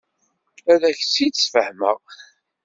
Ad ak-tt-id-sfehmeɣ.